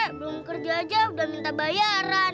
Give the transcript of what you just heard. ya belum kerja aja udah minta bayaran